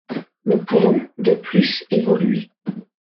Nous pouvons, de plus, évoluer.